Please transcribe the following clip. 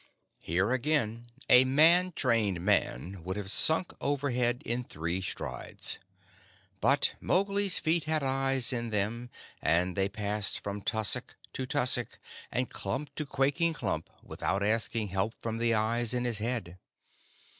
Here, again, a man trained man would have sunk overhead in three strides, but Mowgli's feet had eyes in them, and they passed him from tussock to tussock and clump to quaking clump without asking help from the eyes in his head.